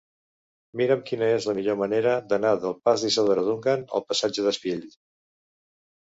Mira'm quina és la millor manera d'anar del pas d'Isadora Duncan al passatge d'Espiell.